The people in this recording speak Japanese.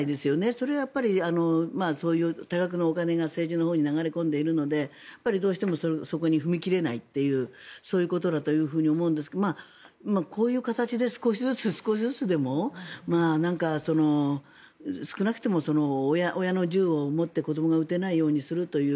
それはやっぱりそういう多額のお金が政治のほうに流れ込んでいるのでどうしてもそこに踏み切れないというそういうことだと思うんですがこういう形で少しずつでも少なくとも親の銃を持って子どもが撃てないようにするという。